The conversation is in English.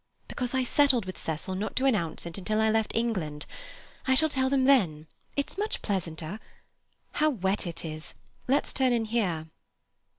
"Because I settled with Cecil not to announce it until I left England. I shall tell them then. It's much pleasanter. How wet it is! Let's turn in here."